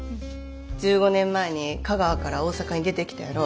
１５年前に香川から大阪に出てきたやろ。